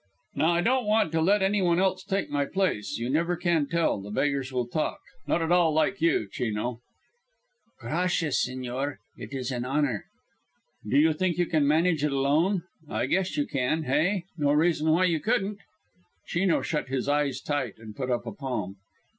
"Now I don't want to let any one else take my place you never can tell the beggars will talk. Not all like you, Chino." "Gracias, sigñor. It is an honour." "Do you think you can manage alone? I guess you can, hey? No reason why you couldn't." Chino shut his eyes tight and put up a palm.